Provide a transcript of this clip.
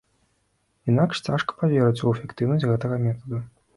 Інакш цяжка паверыць у эфектыўнасць гэтага метаду.